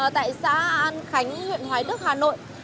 tại xã an khánh huyện hoái đức hà nội